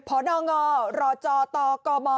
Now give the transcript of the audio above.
ผ่อนองอราจาตกบ